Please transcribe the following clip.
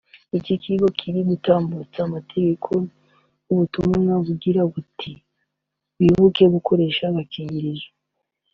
iki kigo kiri gutambutsa amatangazo n’ubutumwa bugira buti “Wibuke gukoresha agakingirizo